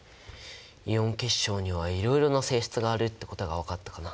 イオン結晶にはいろいろな性質があるってことが分かったかな。